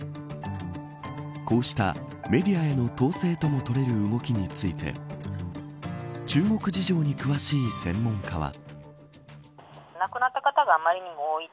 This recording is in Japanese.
こうしたメディアへの統制とも取れる動きについて中国事情に詳しい専門家は。